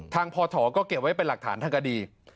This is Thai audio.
ทางพ่อถอก็เก็บไว้เป็นหลักฐานทางอดีต